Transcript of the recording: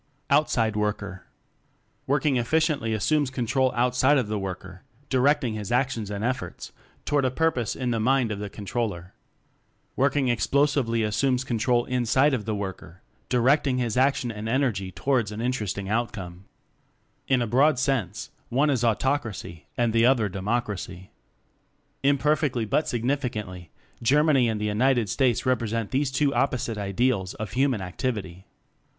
Outside Worker "Working Efficiently" assumes control outside of the worker, direct ing his actions and efforts toward a purpose in the mind of the con troller. "Working Explosively" assumes control inside of the worker, di recting his action and energy towards an interesting outcome. In a broad sense, one is Autocracy and the other Democracy. Imper fectly but significantly, Germany and the United States repre sent these two opposite ideals of human activity.